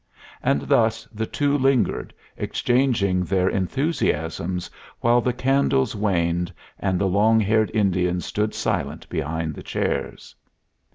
And thus the two lingered, exchanging their enthusiasms, while the candles waned, and the long haired Indians stood silent behind the chairs.